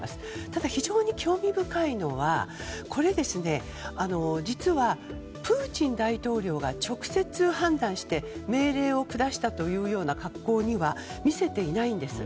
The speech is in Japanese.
ただ、非常に興味深いのは実はプーチン大統領が直接判断して命令を下したというようには見せていないんです。